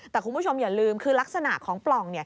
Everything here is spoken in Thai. แต่คุณผู้ชมอย่าลืมคือลักษณะของปล่อง